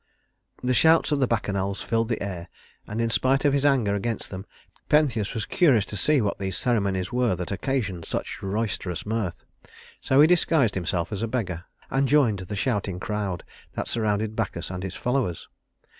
The shouts of the Bacchanals filled the air, and in spite of his anger against them, Pentheus was curious to see what these ceremonies were that occasioned such roisterous mirth. So he disguised himself as a beggar, and joined the shouting crowd that surrounded Bacchus and his followers.